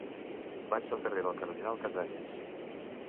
Vaig al carrer del Cardenal Casañas.